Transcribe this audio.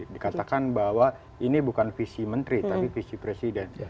dikatakan bahwa ini bukan visi menteri tapi visi presiden